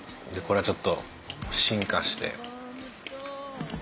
でこれはちょっと進化して。